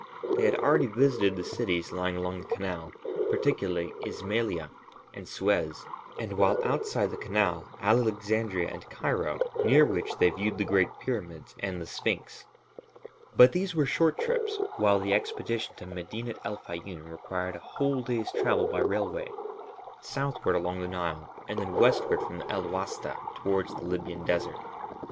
They had already visited the cities lying along the Canal, particularly Ismailia and Suez, and while outside the Canal, Alexandria and Cairo, near which they viewed the great pyramids and the Sphinx. But these were short trips, while the expedition to Medinet el Fayûm required a whole day's travel by railway, southward along the Nile and then westward from El Wasta towards the Libyan Desert.